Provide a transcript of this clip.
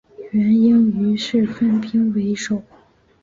元英于是分兵围守。